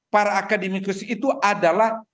para akademikus itu adalah